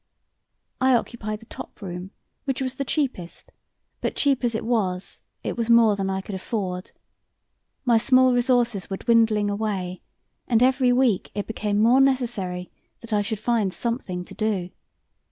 I occupied the top room, which was the cheapest, but cheap as it was it was more than I could afford. My small resources were dwindling away, and every week it became more necessary that I should find something to do.